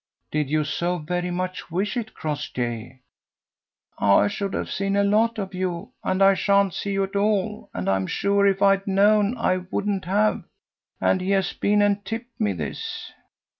"Did you so very much wish it, Crossjay?" "I should have seen a lot of you, and I sha'n't see you at all, and I'm sure if I'd known I wouldn't have And he has been and tipped me this."